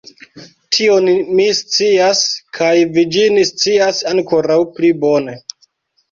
Tion mi scias, kaj vi ĝin scias ankoraŭ pli bone!